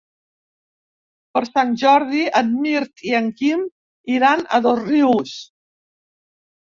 Per Sant Jordi en Mirt i en Quim iran a Dosrius.